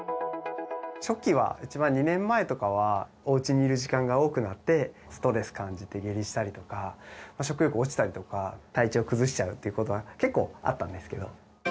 初期は、一番２年前とかは、おうちにいる時間が多くなって、ストレス感じて下痢したりとか、食欲落ちたりとか、体調を崩しちゃうということが結構あったんですけど。